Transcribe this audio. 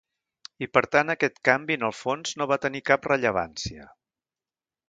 I per tant aquest canvi en el fons no va tenir cap rellevància.